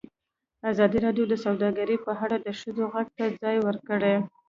ازادي راډیو د سوداګري په اړه د ښځو غږ ته ځای ورکړی.